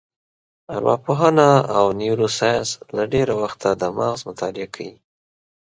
ارواپوهنه او نیورو ساینس له ډېره وخته د مغز مطالعه کوي.